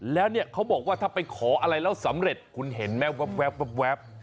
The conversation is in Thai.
แล้วเนี่ยเขาบอกว่าถ้าไปขออะไรแล้วสำเร็จคุณเห็นไหมแว๊บ